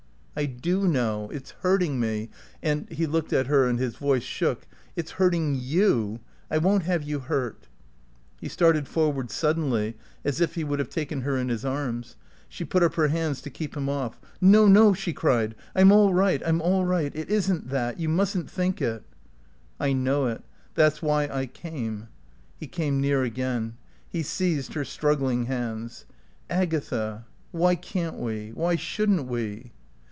"I do know. It's hurting me. And " he looked at her and his voice shook "it's hurting you. I won't have you hurt." He started forward suddenly as if he would have taken her in his arms. She put up her hands to keep him off. "No, no!" she cried. "I'm all right. I'm all right. It isn't that. You mustn't think it." "I know it. That's why I came." He came near again. He seized her struggling hands. "Agatha, why can't we? Why shouldn't we?"